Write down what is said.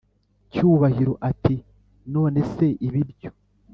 cyubahiro ati"nonese ibi byo